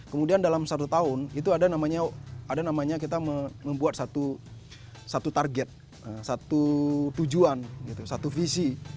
kemudian dalam satu tahun itu ada namanya kita membuat satu target satu tujuan satu visi